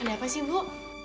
ada apa sih bu